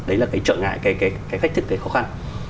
đấy là cái trợ ngại cái khách thức cái khó khăn